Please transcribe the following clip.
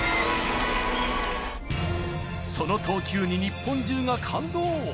その投球に日本中が感動。